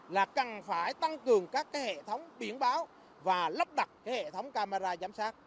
là cần phải tăng cường các hệ thống biển báo và lắp đặt hệ thống camera giám sát